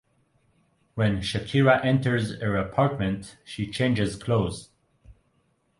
When Shakira enters her apartment, she changes clothes.